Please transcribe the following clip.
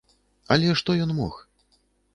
Але што ён мог?